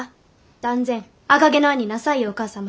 断然「赤毛のアン」になさいよお母様。